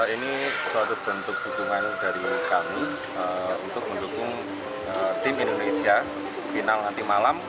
ini suatu bentuk dukungan dari kami untuk mendukung tim indonesia final nanti malam